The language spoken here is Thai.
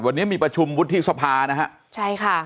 วันนี้มีประชุมวุฒิสภานะฮะใช่ค่ะ